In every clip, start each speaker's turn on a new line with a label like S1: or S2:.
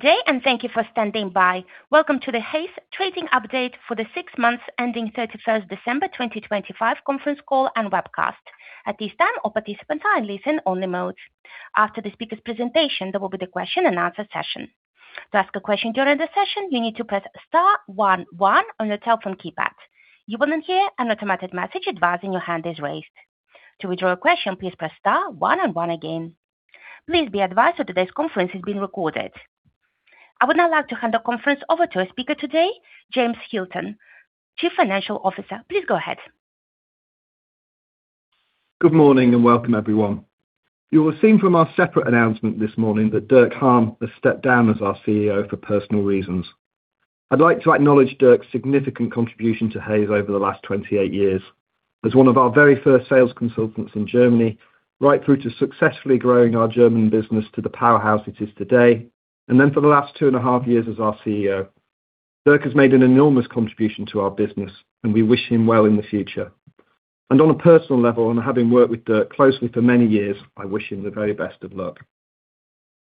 S1: Good day, thank you for standing by. Welcome to the Hays Trading Update for the six months ending December 31st, 2025 conference call and webcast. At this time, all participants are in listen-only mode. After the speaker's presentation, there will be the question and answer session. To ask a question during the session, you need to press star one one on your telephone keypad. You will hear an automatic message advising your hand is raised. To withdraw a question, please press star one and one again. Please be advised that today's conference is being recorded. I would now like to hand the conference over to our speaker today, James Hilton, Chief Financial Officer. Please go ahead.
S2: Good morning, welcome, everyone. You will have seen from our separate announcement this morning that Dirk Hahn has stepped down as our CEO for personal reasons. I'd like to acknowledge Dirk's significant contribution to Hays over the last 28 years. As one of our very first sales consultants in Germany, right through to successfully growing our German business to the powerhouse it is today, and then for the last two and a half years as our CEO, Dirk has made an enormous contribution to our business, and we wish him well in the future. On a personal level, and having worked with Dirk closely for many years, I wish him the very best of luck.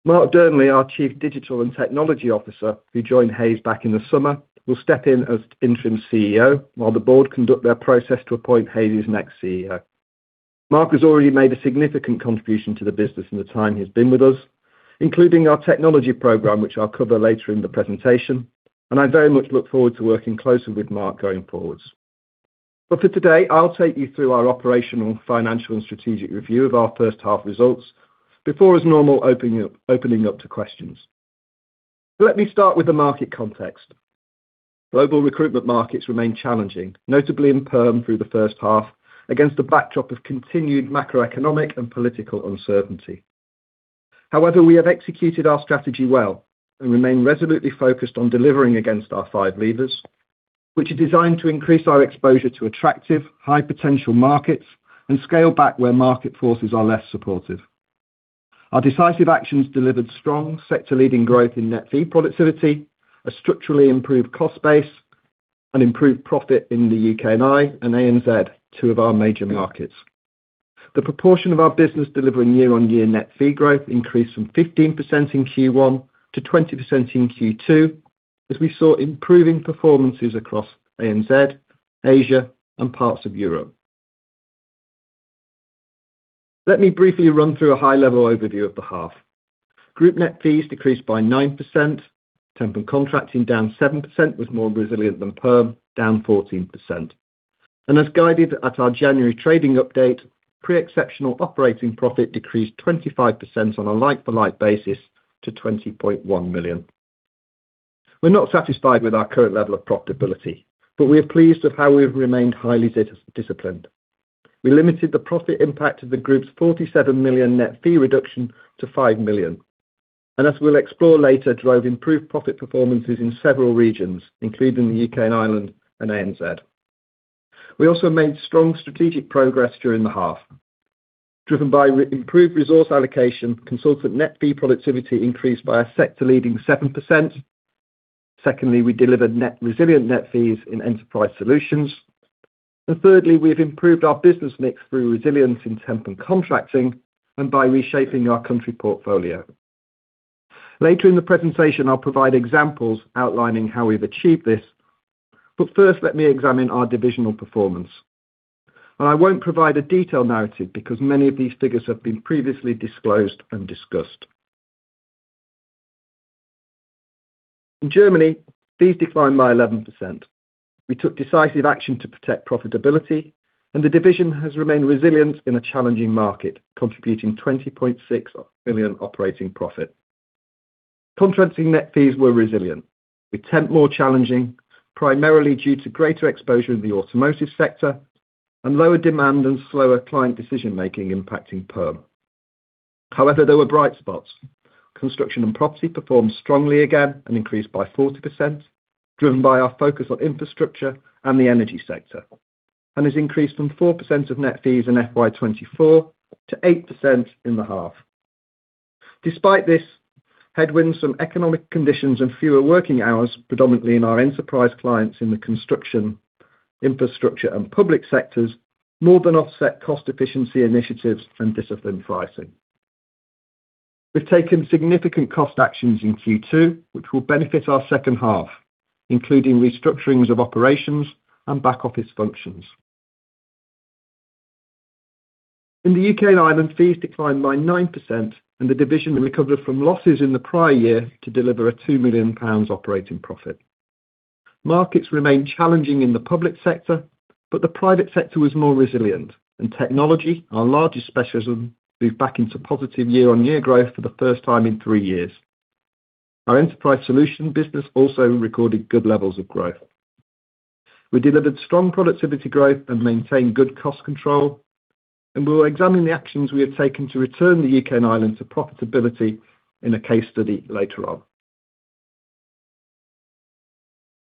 S2: Mark Dearnley, our Chief Digital and Technology Officer, who joined Hays back in the summer, will step in as interim CEO while the board conduct their process to appoint Hays' next CEO. Mark has already made a significant contribution to the business in the time he's been with us, including our technology program, which I'll cover later in the presentation, and I very much look forward to working closely with Mark going forward. For today, I'll take you through our operational, financial, and strategic review of our first half results before, as normal, opening up to questions. Let me start with the market context. Global recruitment markets remain challenging, notably in perm through the first half, against a backdrop of continued macroeconomic and political uncertainty. However, we have executed our strategy well and remain resolutely focused on delivering against our five levers, which are designed to increase our exposure to attractive, high-potential markets and scale back where market forces are less supportive. Our decisive actions delivered strong sector-leading growth in net fee productivity, a structurally improved cost base, and improved profit in the U.K. and I. and ANZ, two of our major markets. The proportion of our business delivering year-on-year net fee growth increased from 15% in Q1 to 20% in Q2, as we saw improving performances across ANZ, Asia, and parts of Europe. Let me briefly run through a high-level overview of the half. Group net fees decreased by 9%, temp and contracting down 7% was more resilient than perm, down 14%. As guided at our January trading update, pre-exceptional operating profit decreased 25% on a like-for-like basis to 20.1 million. We're not satisfied with our current level of profitability, but we are pleased with how we've remained highly disciplined. We limited the profit impact of the group's 47 million net fee reduction to 5 million. As we'll explore later, drove improved profit performances in several regions, including the U.K. and Ireland and ANZ. We also made strong strategic progress during the half. Driven by improved resource allocation, consultant net fee productivity increased by a sector-leading 7%. Secondly, we delivered resilient net fees in enterprise solutions. Thirdly, we've improved our business mix through resilience in temp and contracting and by reshaping our country portfolio. Later in the presentation, I'll provide examples outlining how we've achieved this, but first, let me examine our divisional performance. I won't provide a detailed narrative because many of these figures have been previously disclosed and discussed. In Germany, fees declined by 11%. We took decisive action to protect profitability, and the division has remained resilient in a challenging market, contributing 20.6 million operating profit. Contracting net fees were resilient, with temp more challenging, primarily due to greater exposure in the automotive sector and lower demand and slower client decision-making impacting perm. There were bright spots. Construction and property performed strongly again and increased by 40%, driven by our focus on infrastructure and the energy sector, and has increased from 4% of net fees in FY 2024 to 8% in the half. Despite this, headwinds from economic conditions and fewer working hours, predominantly in our enterprise clients in the construction, infrastructure, and public sectors, more than offset cost efficiency initiatives and disciplined pricing. We've taken significant cost actions in Q2, which will benefit our second half, including restructurings of operations and back-office functions. In the U.K. and Ireland, fees declined by 9%. The division recovered from losses in the prior year to deliver a 2 million pounds operating profit. Markets remain challenging in the public sector, but the private sector was more resilient, and technology, our largest specialism, moved back into positive year-on-year growth for the first time in three years. Our enterprise solutions business also recorded good levels of growth. We delivered strong productivity growth and maintained good cost control. We will examine the actions we have taken to return the U.K. and Ireland to profitability in a case study later on.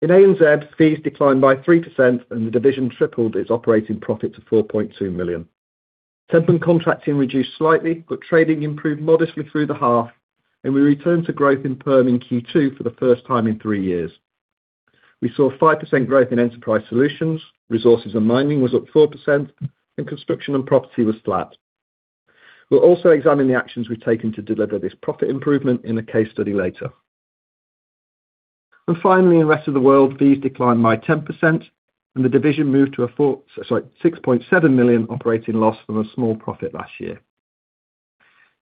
S2: In ANZ, fees declined by 3%. The division tripled its operating profit to 4.2 million. temp and contracting reduced slightly, but trading improved modestly through the half. We returned to growth in perm in Q2 for the first time in three years. We saw a 5% growth in enterprise solutions, resources and mining was up 4%, and construction and property was flat. We'll also examine the actions we've taken to deliver this profit improvement in a case study later. Finally, in the rest of the world, fees declined by 10%, and the division moved to a 6.7 million operating loss from a small profit last year.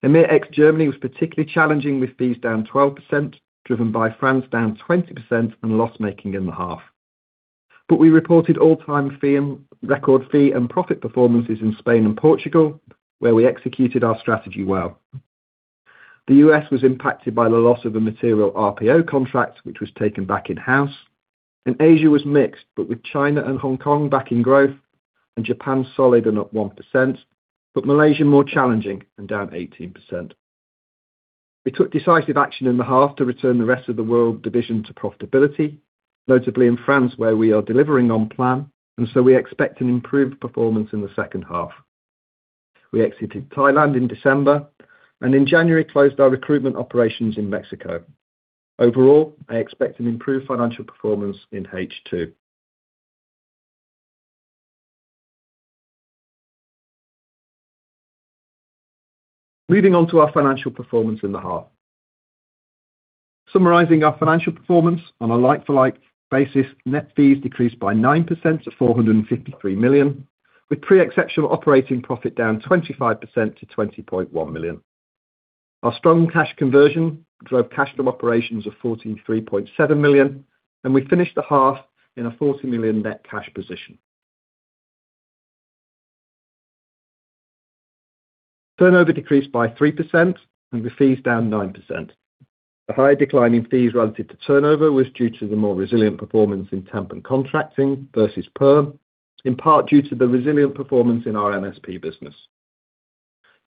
S2: EMEA ex-Germany was particularly challenging, with fees down 12%, driven by France down 20% and loss-making in the half. We reported record fee and profit performances in Spain and Portugal, where we executed our strategy well. The U.S. was impacted by the loss of a material RPO contract, which was taken back in-house. Asia was mixed, with China and Hong Kong back in growth and Japan solid and up 1%, Malaysia more challenging and down 18%. We took decisive action in the half to return the rest of the world division to profitability, notably in France, where we are delivering on plan. We expect an improved performance in the second half. We exited Thailand in December. In January, closed our recruitment operations in Mexico. Overall, I expect an improved financial performance in H2. Moving on to our financial performance in the half. Summarizing our financial performance, on a like-for-like basis, net fees decreased by 9% to 453 million, with pre-exceptional operating profit down 25% to 20.1 million. Our strong cash conversion drove cash from operations of 43.7 million. We finished the half in a 40 million net cash position. Turnover decreased by 3%, and with fees down 9%. The higher decline in fees relative to turnover was due to the more resilient performance in temp and contracting versus perm, in part due to the resilient performance in our MSP business.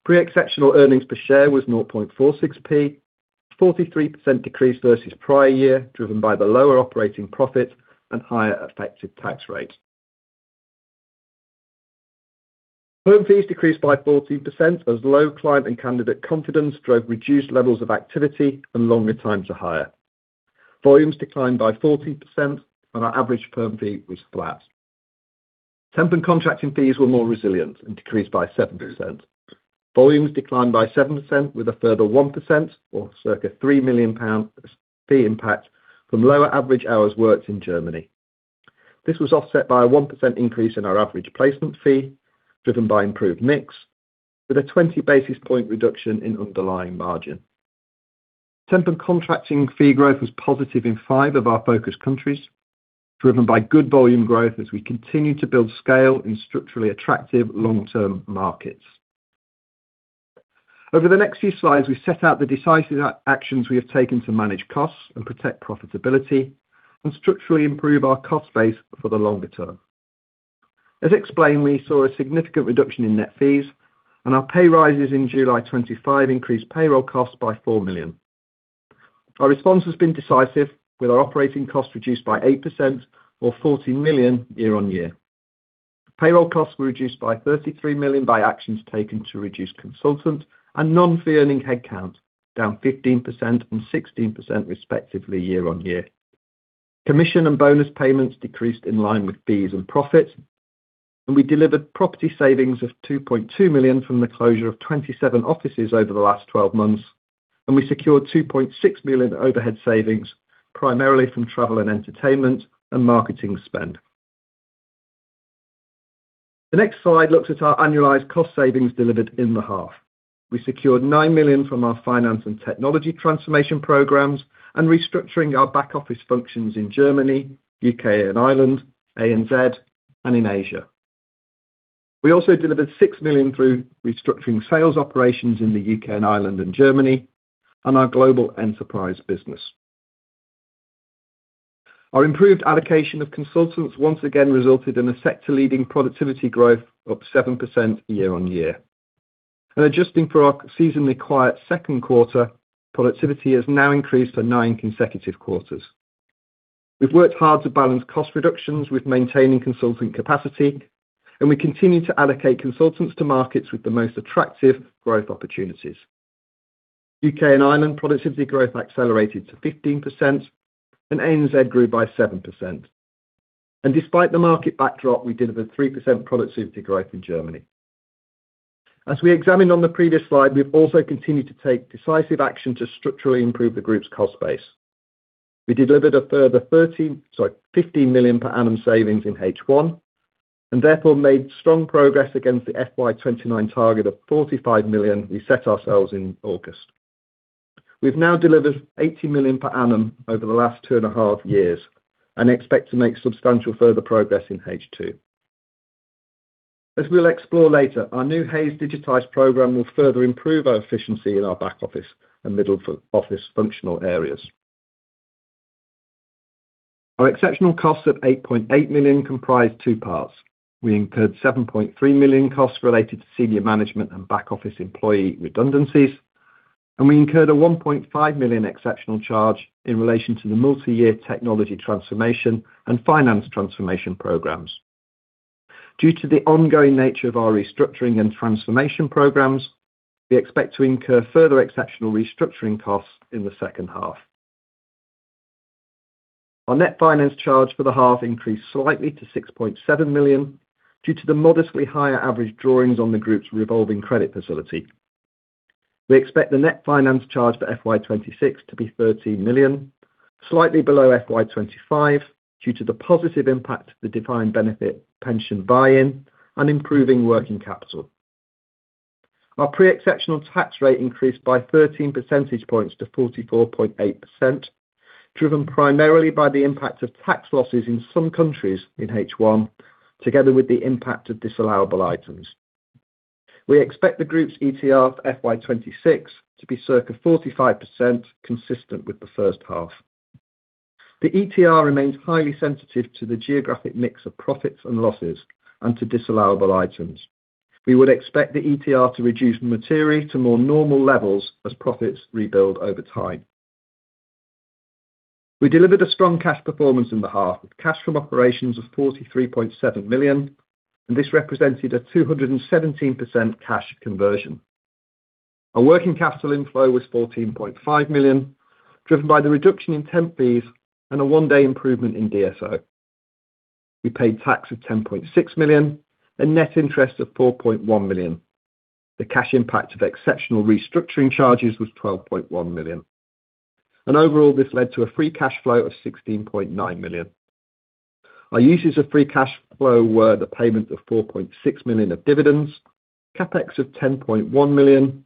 S2: Pre-exceptional earnings per share was 0.46, a 43% decrease versus prior year, driven by the lower operating profit and higher effective tax rate. Perm fees decreased by 14%, as low client and candidate confidence drove reduced levels of activity and longer time to hire. Volumes declined by 14% and our average perm fee was flat. temp and contracting fees were more resilient and decreased by 7%. Volumes declined by 7% with a further 1% or circa 3 million pounds fee impact from lower average hours worked in Germany. This was offset by a 1% increase in our average placement fee, driven by improved mix, with a 20 basis point reduction in underlying margin. Temp and contracting fee growth was positive in five of our focus countries, driven by good volume growth as we continue to build scale in structurally attractive long-term markets. Over the next few slides, we set out the decisive actions we have taken to manage costs and protect profitability and structurally improve our cost base for the longer term. As explained, we saw a significant reduction in net fees, and our pay rises in July 2025 increased payroll costs by 4 million. Our response has been decisive, with our operating costs reduced by 8% or 40 million year-over-year. Payroll costs were reduced by 33 million by actions taken to reduce consultant and non-fee earning headcount, down 15% and 16% respectively year-over-year. Commission and bonus payments decreased in line with fees and profits, and we delivered property savings of 2.2 million from the closure of 27 offices over the last 12 months, and we secured 2.6 million overhead savings, primarily from travel and entertainment and marketing spend. The next slide looks at our annualized cost savings delivered in the half. We secured 9 million from our finance and technology transformation programs and restructuring our back-office functions in Germany, U.K. and Ireland, ANZ, and in Asia. We also delivered 6 million through restructuring sales operations in the U.K. and Ireland and Germany, and our global enterprise business. Our improved allocation of consultants once again resulted in a sector-leading productivity growth up 7% year-on-year. Adjusting for our seasonally quiet second quarter, productivity has now increased for nine consecutive quarters. We've worked hard to balance cost reductions with maintaining consultant capacity, and we continue to allocate consultants to markets with the most attractive growth opportunities. U.K. and Ireland productivity growth accelerated to 15%, and ANZ grew by 7%. Despite the market backdrop, we delivered 3% productivity growth in Germany. As we examined on the previous slide, we've also continued to take decisive action to structurally improve the group's cost base. We delivered a further 50 million per annum savings in H1, therefore made strong progress against the FY 2029 target of 45 million we set ourselves in August. We've now delivered 80 million per annum over the last two and a half years and expect to make substantial further progress in H2. As we'll explore later, our new Hays Digitise program will further improve our efficiency in our back office and middle office functional areas. Our exceptional costs of 8.8 million comprise two parts. We incurred 7.3 million costs related to senior management and back-office employee redundancies. We incurred a 1.5 million exceptional charge in relation to the multi-year technology transformation and finance transformation programs. Due to the ongoing nature of our restructuring and transformation programs, we expect to incur further exceptional restructuring costs in the second half. Our net finance charge for the half increased slightly to 6.7 million, due to the modestly higher average drawings on the group's revolving credit facility. We expect the net finance charge for FY 2026 to be 13 million, slightly below FY 2025, due to the positive impact of the defined benefit pension buy-in and improving working capital. Our pre-exceptional tax rate increased by 13 percentage points to 44.8%, driven primarily by the impact of tax losses in some countries in H1, together with the impact of disallowable items. We expect the group's ETR for FY 2026 to be circa 45%, consistent with the first half. The ETR remains highly sensitive to the geographic mix of profits and losses, and to disallowable items. We would expect the ETR to reduce materially to more normal levels as profits rebuild over time. We delivered a strong cash performance in the half, with cash from operations of 43.7 million. This represented a 217% cash conversion. Our working capital inflow was 14.5 million, driven by the reduction in temp fees and a one-day improvement in DSO. We paid tax of 10.6 million and net interest of 4.1 million. The cash impact of exceptional restructuring charges was 12.1 million. Overall, this led to a free cash flow of 16.9 million. Our uses of free cash flow were the payment of 4.6 million of dividends, CapEx of 10.1 million,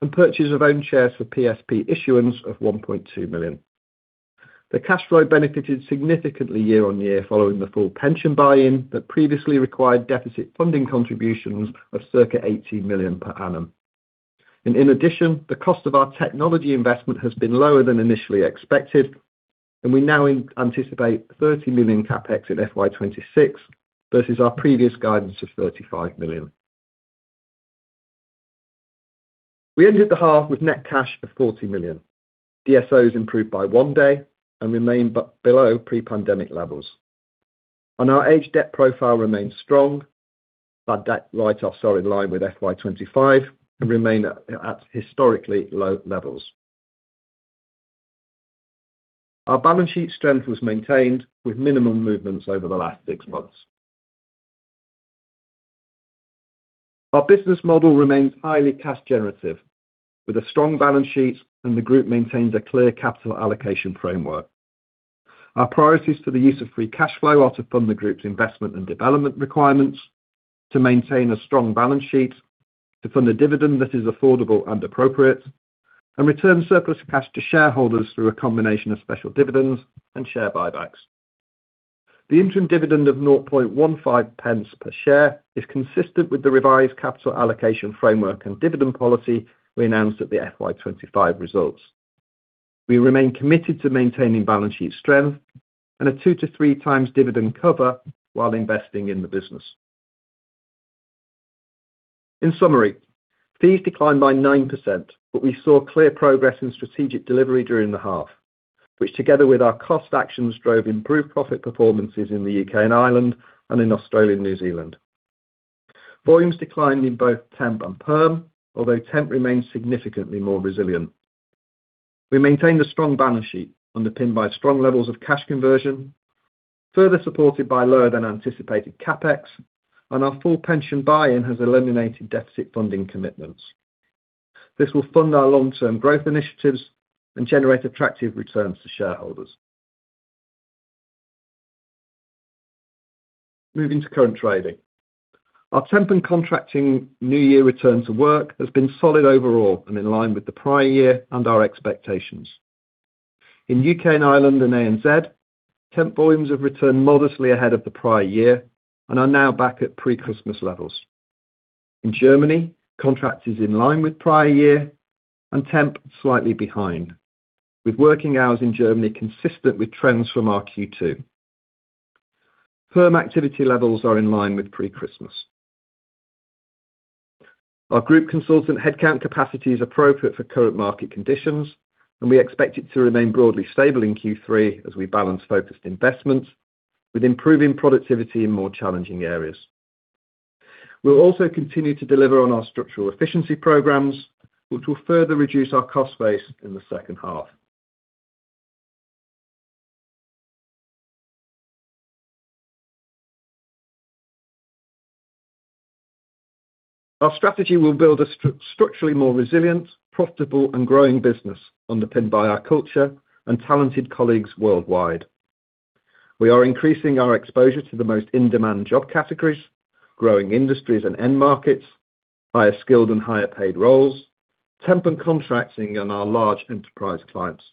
S2: and purchase of own shares for PSP issuance of 1.2 million. The cash flow benefited significantly year-on-year, following the full pension buy-in that previously required deficit funding contributions of circa 80 million per annum. In addition, the cost of our technology investment has been lower than initially expected, and we now anticipate 30 million CapEx in FY 2026 versus our previous guidance of 35 million. We ended the half with net cash of 40 million. DSOs improved by one day and remain below pre-pandemic levels. Our aged debt profile remains strong. Bad debt write-offs are in line with FY 2025 and remain at historically low levels. Our balance sheet strength was maintained with minimum movements over the last six months. Our business model remains highly cash generative, with a strong balance sheet, and the group maintains a clear capital allocation framework. Our priorities for the use of free cash flow are to fund the group's investment and development requirements, to maintain a strong balance sheet, to fund a dividend that is affordable and appropriate, and return surplus cash to shareholders through a combination of special dividends and share buybacks. The interim dividend of 0.15 pence per share is consistent with the revised capital allocation framework and dividend policy we announced at the FY 2025 results. We remain committed to maintaining balance sheet strength and a 2x-3x dividend cover while investing in the business. In summary, fees declined by 9%, but we saw clear progress in strategic delivery during the half, which, together with our cost actions, drove improved profit performances in the U.K. and Ireland and in Australia and New Zealand. Volumes declined in both temp and perm, although temp remains significantly more resilient. We maintained a strong balance sheet, underpinned by strong levels of cash conversion, further supported by lower than anticipated CapEx. Our full pension buy-in has eliminated deficit funding commitments. This will fund our long-term growth initiatives and generate attractive returns to shareholders. Moving to current trading. Our temp and contracting new year return to work has been solid overall and in line with the prior year and our expectations. In U.K. and Ireland and ANZ, temp volumes have returned modestly ahead of the prior year and are now back at pre-Christmas levels. In Germany, contract is in line with prior year and temp slightly behind, with working hours in Germany consistent with trends from our Q2. Perm activity levels are in line with pre-Christmas. Our group consultant headcount capacity is appropriate for current market conditions, and we expect it to remain broadly stable in Q3 as we balance focused investments, with improving productivity in more challenging areas. We'll also continue to deliver on our structural efficiency programs, which will further reduce our cost base in the second half. Our strategy will build a structurally more resilient, profitable, and growing business, underpinned by our culture and talented colleagues worldwide. We are increasing our exposure to the most in-demand job categories, growing industries and end markets, higher skilled and higher paid roles, temp and contracting, and our large enterprise clients.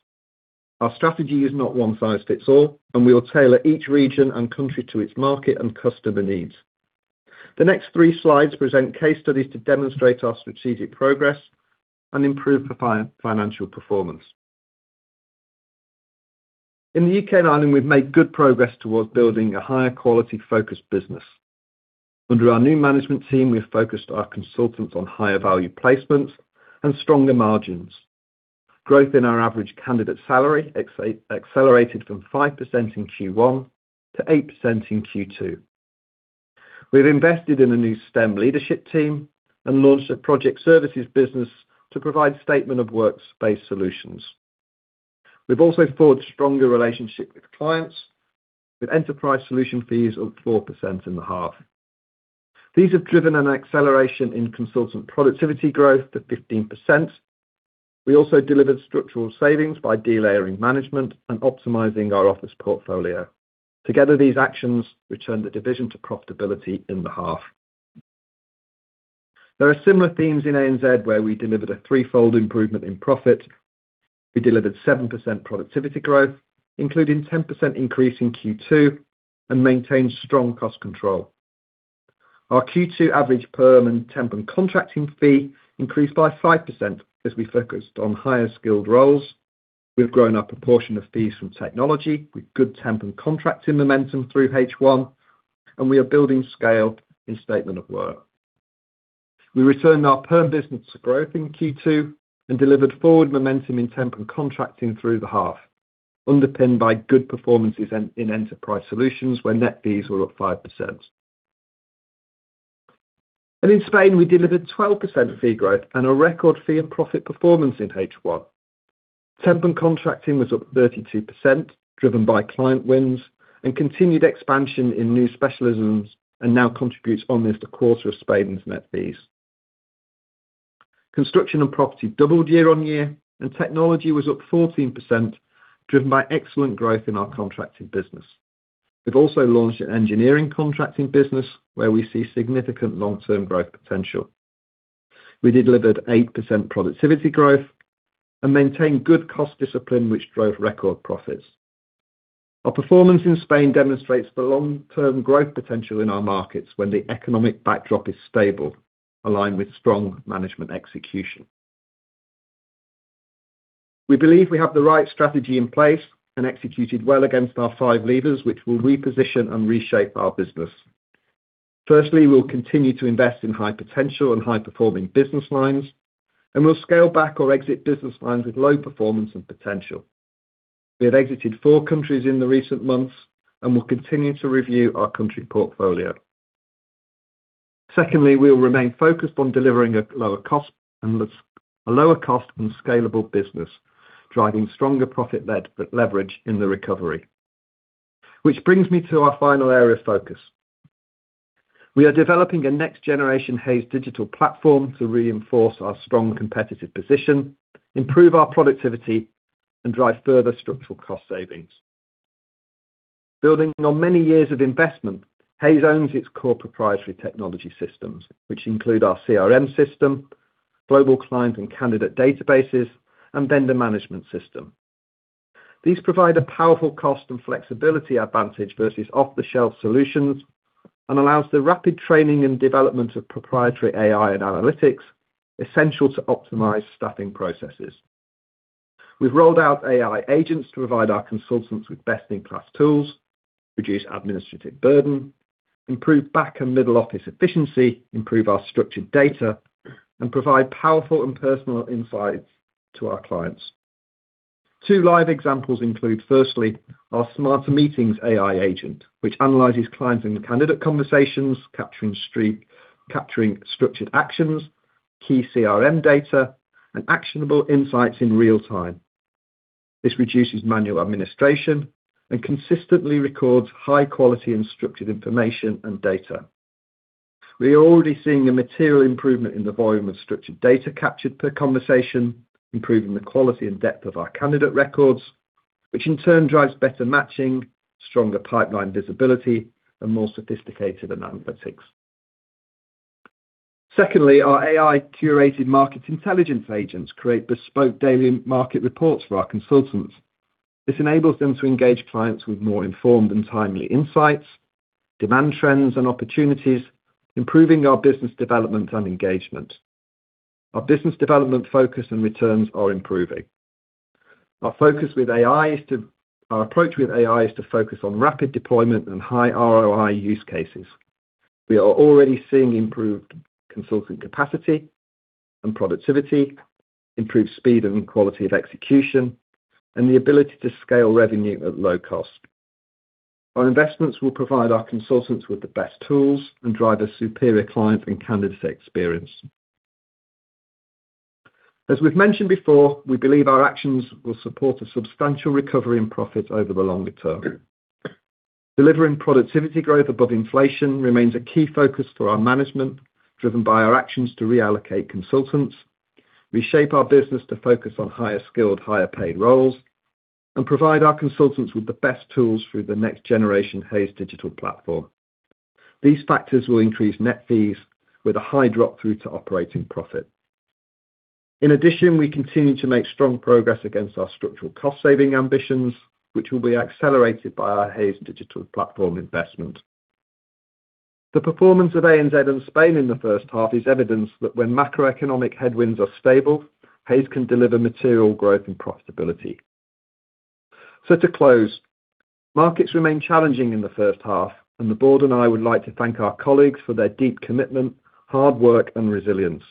S2: Our strategy is not one-size-fits-all, and we will tailor each region and country to its market and customer needs. The next three slides present case studies to demonstrate our strategic progress and improve financial performance. In the U.K. and Ireland, we've made good progress towards building a higher quality focused business. Under our new management team, we've focused our consultants on higher value placements and stronger margins. Growth in our average candidate salary accelerated from 5% in Q1 to 8% in Q2. We've invested in a new STEM leadership team and launched a project services business to provide statement of work-based solutions. We've also forged a stronger relationship with clients, with enterprise solution fees up 4% in the half. These have driven an acceleration in consultant productivity growth to 15%. We also delivered structural savings by delayering management and optimizing our office portfolio. Together, these actions returned the division to profitability in the half. There are similar themes in ANZ, where we delivered a threefold improvement in profit. We delivered 7% productivity growth, including 10% increase in Q2, and maintained strong cost control. Our Q2 average perm and temp and contracting fee increased by 5% as we focused on higher skilled roles. We've grown our proportion of fees from technology, with good temp and contracting momentum through H1. We are building scale in statement of work. We returned our perm business to growth in Q2 and delivered forward momentum in temp and contracting through the half, underpinned by good performances in enterprise solutions, where net fees were up 5%. In Spain, we delivered 12% fee growth and a record fee and profit performance in H1. Temp and contracting was up 32%, driven by client wins and continued expansion in new specialisms, and now contributes almost a quarter of Spain's net fees. Construction and property doubled year-on-year. Technology was up 14%, driven by excellent growth in our contracting business. We've also launched an engineering contracting business, where we see significant long-term growth potential. We delivered 8% productivity growth and maintained good cost discipline, which drove record profits. Our performance in Spain demonstrates the long-term growth potential in our markets when the economic backdrop is stable, aligned with strong management execution. We believe we have the right strategy in place and executed well against our five levers, which will reposition and reshape our business. Firstly, we'll continue to invest in high-potential and high-performing business lines, and we'll scale back or exit business lines with low performance and potential. We have exited four countries in the recent months and will continue to review our country portfolio. Secondly, we will remain focused on delivering a lower cost and scalable business, driving stronger profit led leverage in the recovery. Which brings me to our final area of focus. We are developing a next-generation Hays digital platform to reinforce our strong competitive position, improve our productivity, and drive further structural cost savings. Building on many years of investment, Hays owns its core proprietary technology systems, which include our CRM system, global client and candidate databases, and vendor management system. These provide a powerful cost and flexibility advantage versus off-the-shelf solutions and allows the rapid training and development of proprietary AI and analytics, essential to optimize staffing processes. We've rolled out AI agents to provide our consultants with best-in-class tools, reduce administrative burden, improve back and middle office efficiency, improve our structured data, and provide powerful and personal insights to our clients. Two live examples include, firstly, our Smarter Meetings AI agent, which analyzes clients and candidate conversations, capturing structured actions, key CRM data, and actionable insights in real time. This reduces manual administration and consistently records high quality and structured information and data. We are already seeing a material improvement in the volume of structured data captured per conversation, improving the quality and depth of our candidate records, which in turn drives better matching, stronger pipeline visibility, and more sophisticated analytics. Secondly, our AI-curated market intelligence agents create bespoke daily market reports for our consultants. This enables them to engage clients with more informed and timely insights, demand trends and opportunities, improving our business development and engagement. Our business development focus and returns are improving. Our approach with AI is to focus on rapid deployment and high ROI use cases. We are already seeing improved consultant capacity and productivity, improved speed and quality of execution, and the ability to scale revenue at low cost. Our investments will provide our consultants with the best tools and drive a superior client and candidate experience. As we've mentioned before, we believe our actions will support a substantial recovery in profit over the longer term. Delivering productivity growth above inflation remains a key focus for our management, driven by our actions to reallocate consultants, reshape our business to focus on higher skilled, higher paid roles, and provide our consultants with the best tools through the next generation Hays digital platform. These factors will increase net fees with a high drop-through to operating profit. In addition, we continue to make strong progress against our structural cost-saving ambitions, which will be accelerated by our Hays digital platform investment. The performance of ANZ and Spain in the first half is evidence that when macroeconomic headwinds are stable, Hays can deliver material growth and profitability. To close, markets remain challenging in the first half, and the board and I would like to thank our colleagues for their deep commitment, hard work, and resilience.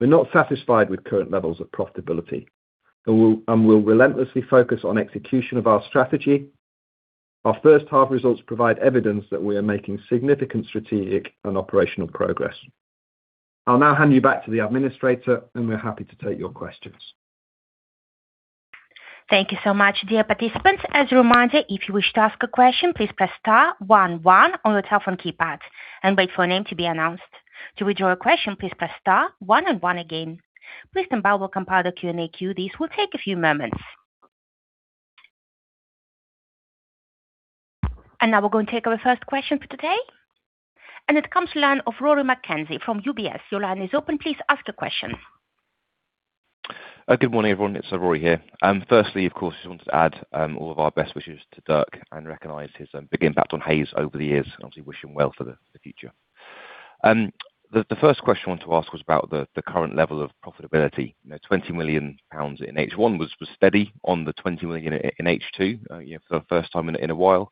S2: We're not satisfied with current levels of profitability, and we'll relentlessly focus on execution of our strategy. Our first half results provide evidence that we are making significant strategic and operational progress. I'll now hand you back to the administrator, and we're happy to take your questions.
S1: Thank you so much, dear participants. As a reminder, if you wish to ask a question, please press star one on your telephone keypad and wait for your name to be announced. To withdraw a question, please press star one, and one again. Please stand by while we compile the Q&A queue. This will take a few moments. Now we're going to take our first question for today, and it comes to the line of Rory Mckenzie from UBS. Your line is open. Please ask a question.
S3: Good morning, everyone. It's Rory here. Firstly, of course, just wanted to add all of our best wishes to Dirk and recognize his big impact on Hays over the years, and obviously wish him well for the future. The first question I want to ask was about the current level of profitability. You know, 20 million pounds in H1 was steady on the 20 million in H2, you know, for the first time in a while.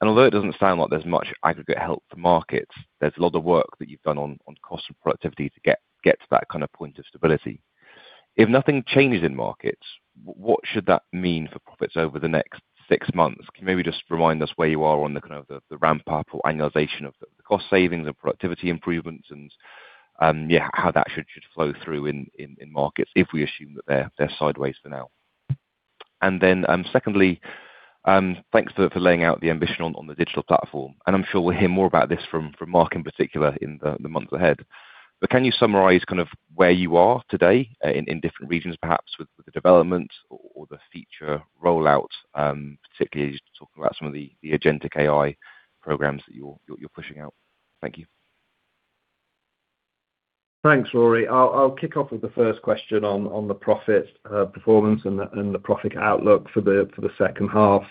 S3: Although it doesn't sound like there's much aggregate help for markets, there's a lot of work that you've done on cost and productivity to get to that kind of point of stability. If nothing changes in markets, what should that mean for profits over the next six months? Can you maybe just remind us where you are on the kind of the ramp-up or annualization of the cost savings and productivity improvements, and yeah, how that should flow through in markets if we assume that they're sideways for now? Secondly, thanks for laying out the ambition on the Digital Platform, and I'm sure we'll hear more about this from Mark in particular, in the months ahead. Can you summarize kind of where you are today, in different regions, perhaps with the development or the feature rollout, particularly as you talk about some of the agentic AI programs that you're pushing out? Thank you.
S2: Thanks, Rory. I'll kick off with the first question on the profit performance and the profit outlook for the second half.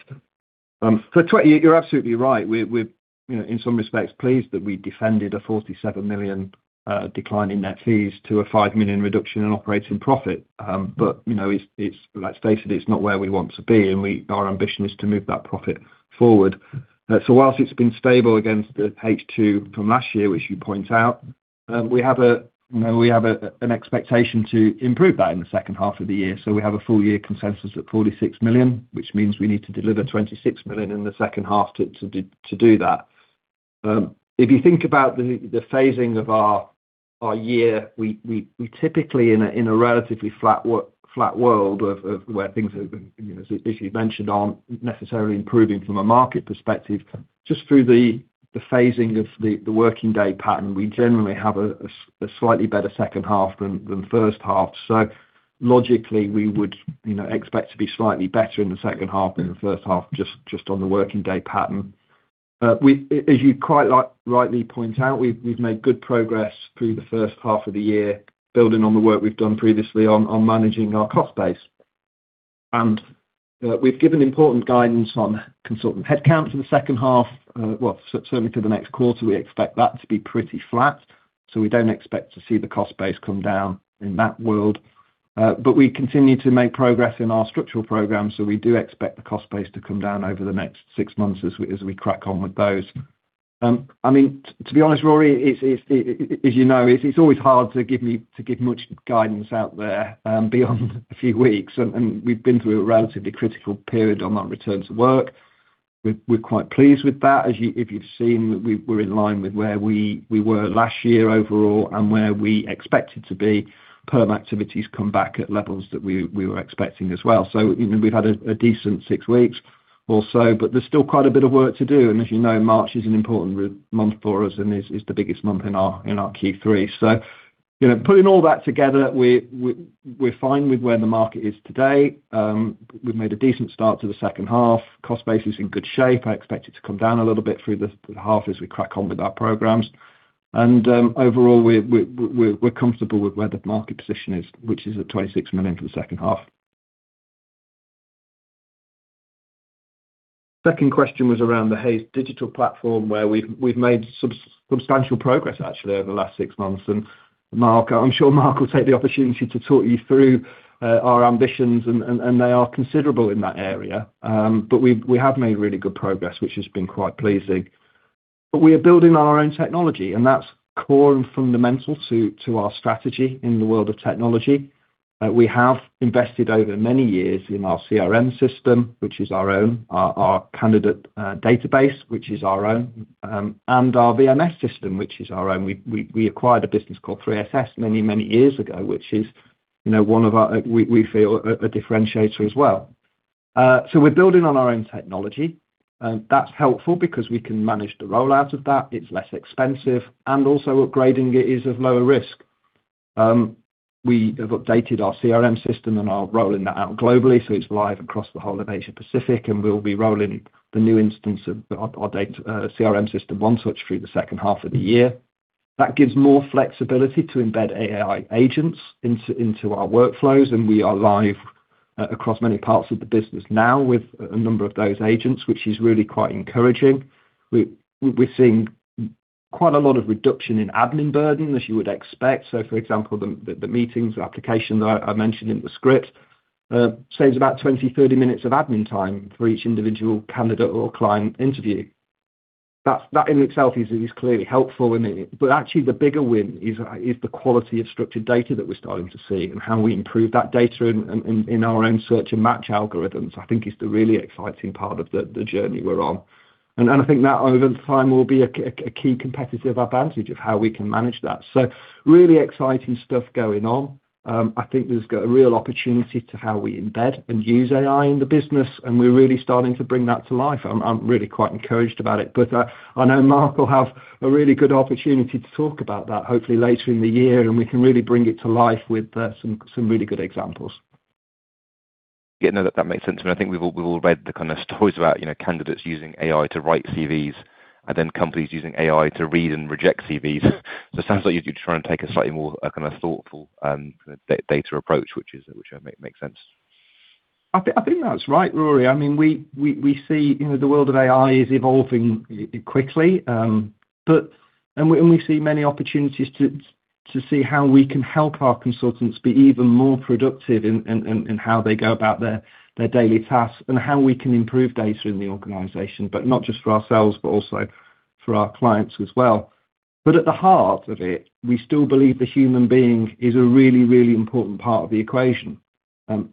S2: You're absolutely right. We're, you know, in some respects, pleased that we defended a 47 million decline in net fees to a 5 million reduction in operating profit. You know, it's like stated, it's not where we want to be, our ambition is to move that profit forward. Whilst it's been stable against the H2 from last year, which you point out, we have a, you know, an expectation to improve that in the second half of the year. We have a full year consensus at 46 million, which means we need to deliver 26 million in the second half to do that. If you think about the phasing of our year, we typically, in a relatively flat world of where things have been, you know, as you mentioned, aren't necessarily improving from a market perspective, just through the phasing of the working day pattern, we generally have a slightly better second half than the first half. Logically, we would, you know, expect to be slightly better in the second half than the first half, just on the working day pattern. As you quite rightly point out, we've made good progress through the first half of the year, building on the work we've done previously on managing our cost base. We've given important guidance on consultant headcount for the second half. Certainly for the next quarter, we expect that to be pretty flat, so we don't expect to see the cost base come down in that world. We continue to make progress in our structural program, so we do expect the cost base to come down over the next six months as we crack on with those. I mean, to be honest, Rory, it's as you know, it's always hard to give much guidance out there beyond a few weeks, and we've been through a relatively critical period on our return to work. We're quite pleased with that. If you've seen, we're in line with where we were last year overall and where we expected to be. Perm activities come back at levels that we were expecting as well. You know, we've had a decent six weeks or so, but there's still quite a bit of work to do. As you know, March is an important month for us and is the biggest month in our Q3. You know, putting all that together, we're fine with where the market is today. We've made a decent start to the second half. Cost base is in good shape. I expect it to come down a little bit through the half as we crack on with our programs. Overall, we're comfortable with where the market position is, which is at 26 million for the second half. Second question was around the Hays digital platform, where we've made substantial progress, actually, over the last six months. Mark, I'm sure Mark will take the opportunity to talk you through our ambitions and they are considerable in that area. We have made really good progress, which has been quite pleasing. We are building on our own technology, and that's core and fundamental to our strategy in the world of technology. We have invested over many years in our CRM system, which is our own, our candidate database, which is our own, and our VMS system, which is our own. We acquired a business called 3SS many, many years ago, which is, you know, one of our, we feel a differentiator as well. We're building on our own technology, and that's helpful because we can manage the rollout of that. It's less expensive, and also upgrading it is of lower risk. We have updated our CRM system, and are rolling that out globally, so it's live across the whole of Asia Pacific, and we'll be rolling the new instance of our date, CRM system, One Touch, through the second half of the year. That gives more flexibility to embed AI agents into our workflows. We are live across many parts of the business now with a number of those agents, which is really quite encouraging. We're seeing quite a lot of reduction in admin burden, as you would expect. For example, the meetings application that I mentioned in the script saves about 20-30 minutes of admin time for each individual candidate or client interview. That in itself is clearly helpful. Actually, the bigger win is the quality of structured data that we're starting to see, and how we improve that data in our own search and match algorithms. I think is the really exciting part of the journey we're on. I think that over time will be a key competitive advantage of how we can manage that. Really exciting stuff going on. I think this has got a real opportunity to how we embed and use AI in the business, and we're really starting to bring that to life. I'm really quite encouraged about it, but I know Mark will have a really good opportunity to talk about that, hopefully later in the year, and we can really bring it to life with some really good examples.
S3: Yeah, no, that makes sense. I think we've all, we've all read the kind of stories about, you know, candidates using AI to write CVs, and then companies using AI to read and reject CVs. It sounds like you're trying to take a slightly more, kind of thoughtful, data approach, which is, which makes sense.
S2: I think that's right, Rory. I mean, we see, you know, the world of AI is evolving quickly, and we see many opportunities to see how we can help our consultants be even more productive in how they go about their daily tasks, and how we can improve data in the organization, but not just for ourselves, but also for our clients as well. At the heart of it, we still believe the human being is a really important part of the equation.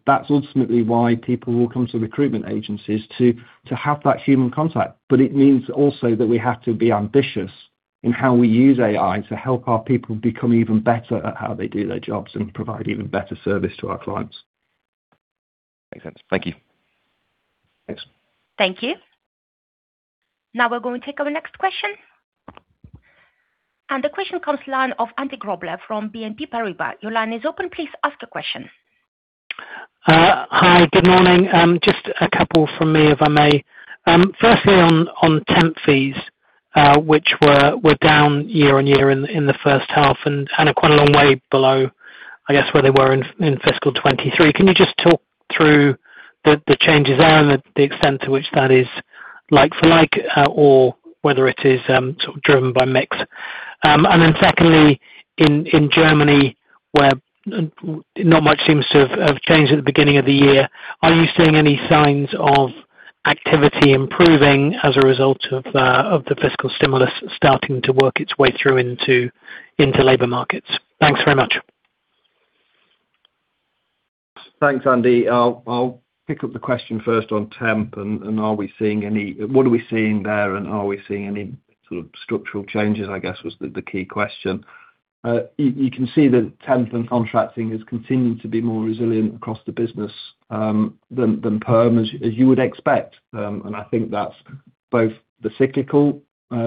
S2: That's ultimately why people will come to recruitment agencies to have that human contact. It means also that we have to be ambitious in how we use AI to help our people become even better at how they do their jobs, and provide even better service to our clients.
S3: Makes sense. Thank you.
S2: Thanks.
S1: Thank you. Now we're going to take our next question. The question comes line of Andy Grobler from BNP Paribas. Your line is open, please ask the question.
S4: Hi, good morning. Just a couple from me, if I may. Firstly on temp fees, which were down year-on-year in the first half, and are quite a long way below, I guess, where they were in fiscal 2023. Can you just talk through the changes there, and the extent to which that is like-for-like, or whether it is sort of driven by mix? Secondly, in Germany, where not much seems to have changed at the beginning of the year, are you seeing any signs of activity improving as a result of the fiscal stimulus starting to work its way through into labor markets? Thanks very much.
S2: Thanks, Andy. I'll pick up the question first on temp, and are we seeing any. What are we seeing there, and are we seeing any sort of structural changes, I guess, was the key question. You can see that temp and contracting has continued to be more resilient across the business than perm, as you would expect. I think that's both the cyclical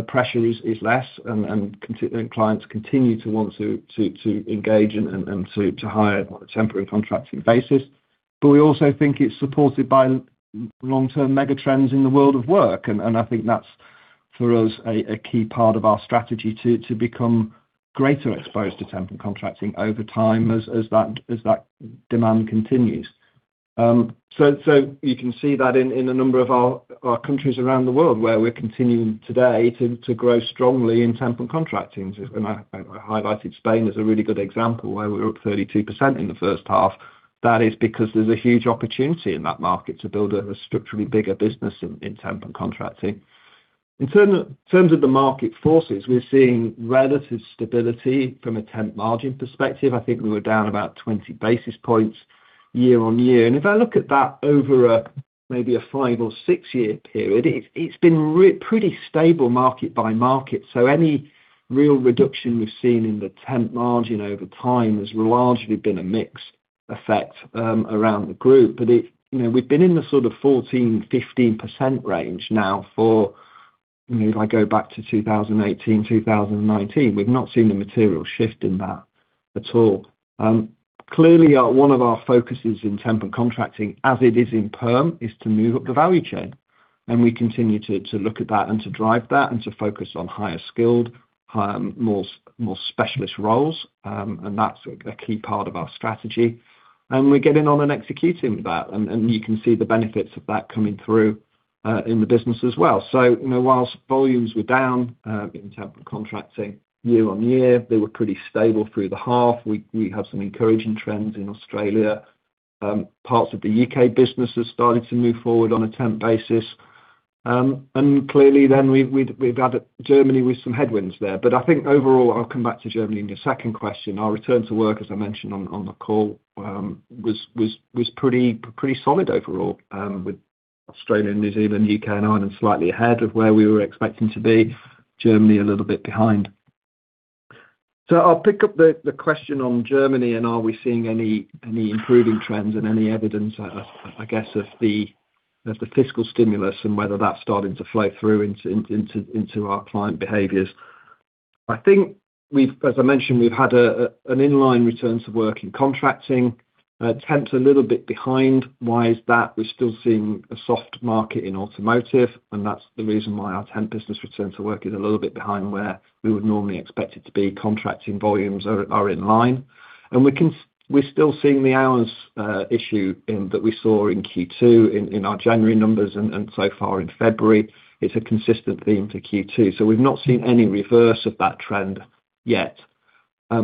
S2: pressure is less and clients continue to want to engage and to hire on a temporary contracting basis. We also think it's supported by long-term mega trends in the world of work. I think that's, for us, a key part of our strategy to become greater exposed to temp and contracting over time as that demand continues. You can see that in a number of our countries around the world, where we're continuing today to grow strongly in temp and contracting. As I highlighted Spain as a really good example, where we're up 32% in the first half. That is because there's a huge opportunity in that market to build a structurally bigger business in temp and contracting. In terms of the market forces, we're seeing relative stability from a temp margin perspective. I think we were down about 20 basis points year-on-year. If I look at that over a five or six-year period, it's been pretty stable market by market. Any real reduction we've seen in the temp margin over time has largely been a mix effect around the group. It. You know, we've been in the sort of 14%-15% range now for, you know, if I go back to 2018, 2019, we've not seen a material shift in that at all. Clearly, one of our focuses in temp and contracting, as it is in perm, is to move up the value chain. We continue to look at that, and to drive that, and to focus on higher skilled, more specialist roles. That's a key part of our strategy, and we're getting on and executing that. You can see the benefits of that coming through in the business as well. You know, whilst volumes were down in temp and contracting year-on-year, they were pretty stable through the half. We have some encouraging trends in Australia. Parts of the U.K. business are starting to move forward on a temp basis. Clearly then we've had Germany with some headwinds there. I think overall, I'll come back to Germany in the second question. Our return to work, as I mentioned on the call, was pretty solid overall, with Australia, and New Zealand, U.K., and Ireland slightly ahead of where we were expecting to be. Germany, a little bit behind. I'll pick up the question on Germany, and are we seeing any improving trends and any evidence, I guess, of the fiscal stimulus, and whether that's starting to flow through into our client behaviors? I think we've, as I mentioned, we've had an inline return to work in contracting, temp a little bit behind. Why is that? We're still seeing a soft market in automotive, and that's the reason why our temp business return to work is a little bit behind where we would normally expect it to be. Contracting volumes are in line. We're still seeing the hours issue that we saw in Q2, in our January numbers and so far in February. It's a consistent theme for Q2. We've not seen any reverse of that trend yet.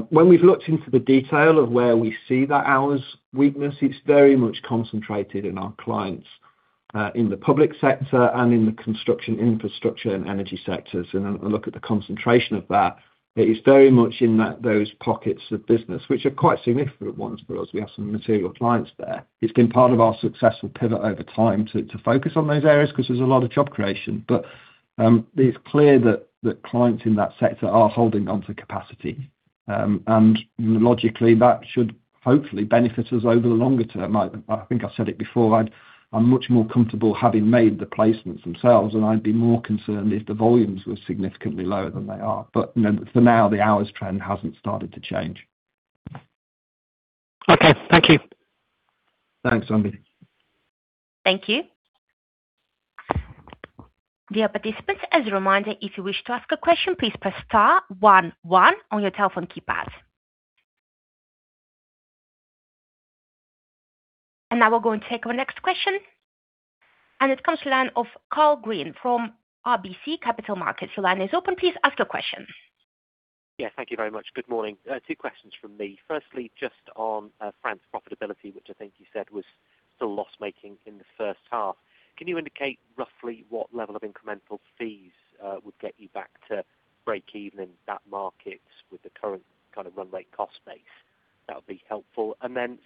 S2: When we've looked into the detail of where we see that hours weakness, it's very much concentrated in our clients in the public sector and in the construction, infrastructure, and energy sectors. A look at the concentration of that, it is very much in those pockets of business, which are quite significant ones for us. We have some material clients there. It's been part of our successful pivot over time to focus on those areas, 'cause there's a lot of job creation. It's clear that clients in that sector are holding onto capacity. Logically, that should hopefully benefit us over the longer term. I think I've said it before, I'm much more comfortable having made the placements themselves, and I'd be more concerned if the volumes were significantly lower than they are. You know, for now, the hours trend hasn't started to change.
S4: Okay, thank you.
S2: Thanks, Andy.
S1: Thank you. Dear participants, as a reminder, if you wish to ask a question, please press star one on your telephone keypad. Now we're going to take our next question. It comes to the line of Karl Green from RBC Capital Markets. Your line is open, please ask your question.
S5: Yeah, thank you very much. Good morning. Two questions from me. Firstly, just on France profitability, which I think you said was still loss-making in the first half. Can you indicate roughly what level of incremental fees would get you back to breakeven in that market with the current kind of run rate cost base? That would be helpful.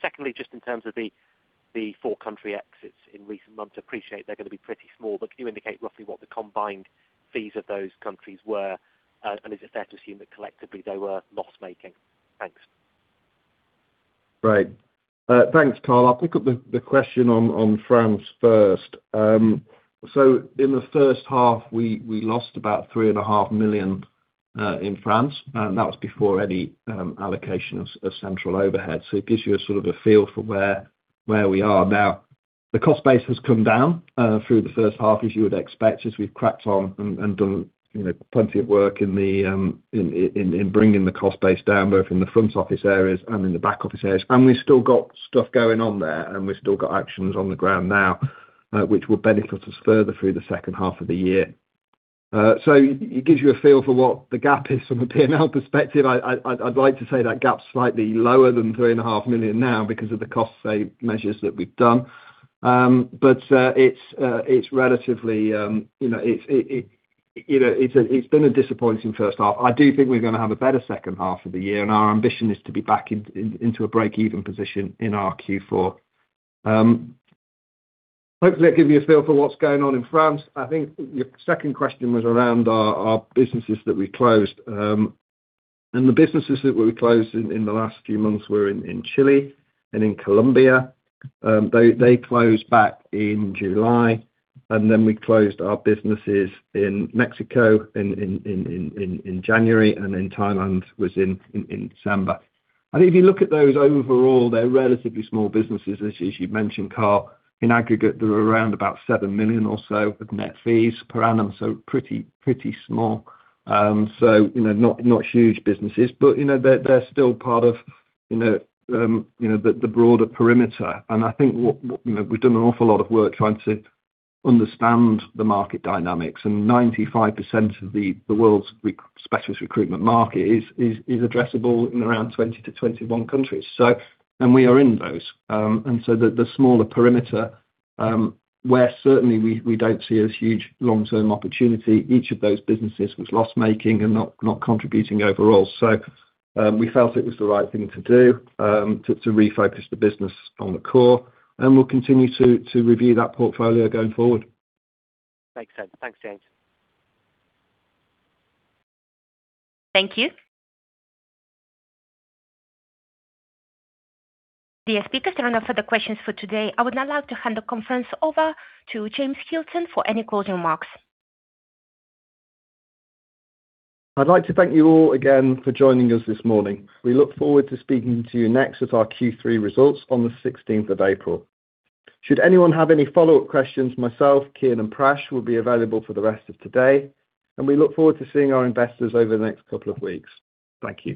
S5: Secondly, just in terms of the four country exits in recent months, appreciate they're going to be pretty small, but can you indicate roughly what the combined fees of those countries were? Is it fair to assume that collectively they were loss-making? Thanks.
S2: Right. Thanks, Karl. I'll pick up the question on France first. In the first half, we lost about 3.5 million in France, and that was before any allocation of central overhead. It gives you a sort of a feel for where we are. Now, the cost base has come down through the first half, as you would expect, as we've cracked on and done, you know, plenty of work in bringing the cost base down, both in the front office areas and in the back office areas. We've still got stuff going on there, and we've still got actions on the ground now, which will benefit us further through the second half of the year. It, it gives you a feel for what the gap is from a P&L perspective. I'd like to say that gap's slightly lower than three and a half million now because of the cost save measures that we've done. It's relatively, you know, it's been a disappointing first half. I do think we're gonna have a better second half of the year, and our ambition is to be back in, into a breakeven position in our Q4. Hopefully that gives you a feel for what's going on in France. I think your second question was around our businesses that we closed. The businesses that we closed in the last few months were in Chile and in Colombia. They closed back in July. We closed our businesses in Mexico in January. Thailand was in December. If you look at those overall, they're relatively small businesses, as you've mentioned, Karl. In aggregate, they're around about 7 million or so of net fees per annum, so pretty small. You know, not huge businesses, but, you know, they're still part of, you know, you know, the broader perimeter. You know, we've done an awful lot of work trying to understand the market dynamics. 95% of the world's specialist recruitment market is addressable in around 20-21 countries. We are in those. The smaller perimeter, where certainly we don't see as huge long-term opportunity, each of those businesses was loss-making and not contributing overall. We felt it was the right thing to do, to refocus the business on the core, and we'll continue to review that portfolio going forward.
S5: Makes sense. Thanks, James.
S1: Thank you. Dear speakers, there are no further questions for today. I would now like to hand the conference over to James Hilton for any closing remarks.
S2: I'd like to thank you all again for joining us this morning. We look forward to speaking to you next with our Q3 results on the April 16th. Should anyone have any follow-up questions, myself, Kieran, and Prash will be available for the rest of today. We look forward to seeing our investors over the next couple of weeks. Thank you.